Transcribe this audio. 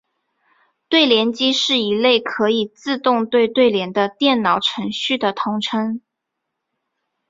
对联机是一类可以自动对对联的电脑程序的统称。